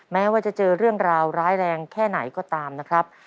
แม้ว่าจะเจอเรื่องราวร้ายแรงแค่ไหนก็ตามนะครับ